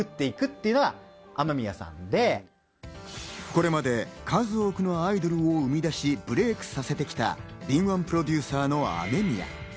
これまで数多くのアイドルを生み出し、ブレークさせてきた敏腕プロデューサーの雨宮。